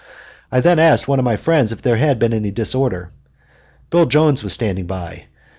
I then asked one of my friends if there had been any disorder. Bill Jones was standing by.